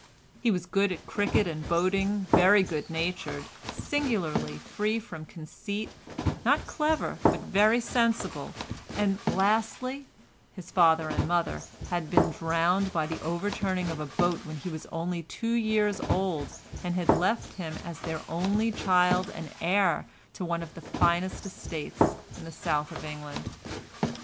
He was good at cricket and boating, very good natured, singularly free from conceit, not clever but very sensible, and, lastly, his father and mother had been drowned by the overturning of a boat when he was only two years old and had left him as their only child and heir to one of the finest estates in the South of England.